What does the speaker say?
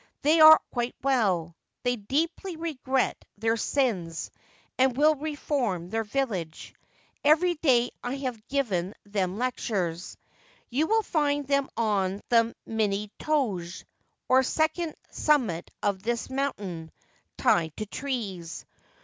They are quite well. They deeply regret their sins, and will reform their village. Every day I have given them lectures. You will find them on the " Mino toge," or second summit of this mountain, tied to trees.